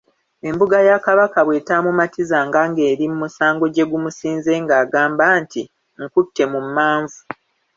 "Embuga ya Kabaka bw’etaamumatizanga ngeri musango gye gumusinze ng’agamba nti, “nkutte mu mmanvu.” "